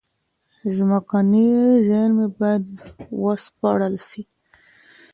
ځمکني زېرمي بايد و سپړل سي.